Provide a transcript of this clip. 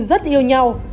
rất yêu nhau